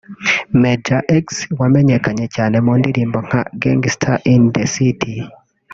Major-X wamenyekanye cyane mu ndirimbo nka ‘Gangster in the city’